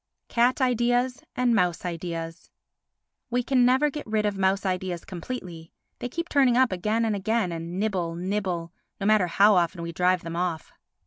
Cat Ideas and Mouse Ideas We can never get rid of mouse ideas completely, they keep turning up again and again, and nibble, nibble—no matter how often we drive them off.